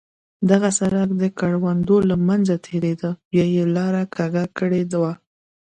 دغه سړک د کروندو له منځه تېرېده، بیا یې لاره کږه کړې وه.